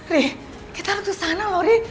ri kita taruh kesana loh ri